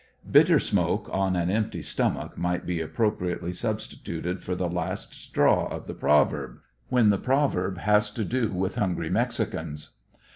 Bitter smoke on an empty stomach might be appropriately substituted for the last straw of the proverb when the proverb has to do with hungry Mexicans.